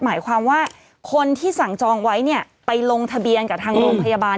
หมายความว่าคนที่สั่งจองไว้เนี่ยไปลงทะเบียนกับทางโรงพยาบาล